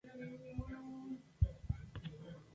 Subsecuentemente se dedicó a su propio negocio.